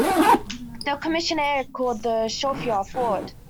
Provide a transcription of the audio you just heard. The Commissaire called the chauffeur forward.